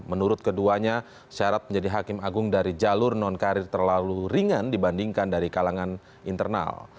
menurut keduanya syarat menjadi hakim agung dari jalur non karir terlalu ringan dibandingkan dari kalangan internal